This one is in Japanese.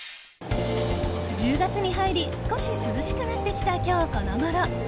１０月に入り少し涼しくなってきた今日このごろ。